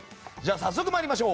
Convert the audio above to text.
早速参りましょう。